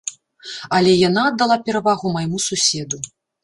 Але яна аддала перавагу майму суседу.